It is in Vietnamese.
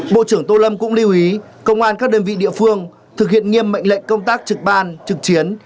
bộ trưởng tô lâm cũng lưu ý công an các đơn vị địa phương thực hiện nghiêm mệnh lệnh công tác trực ban trực chiến